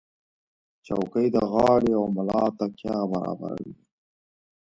چوکۍ د غاړې او ملا تکیه برابروي.